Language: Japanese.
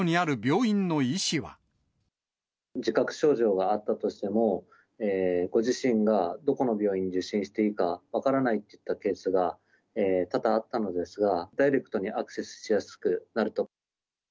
自覚症状があったとしても、ご自身がどこの病院を受診していいか分からないといったケースが多々あったのですが、ダイレクトにアクセスしやすくなると。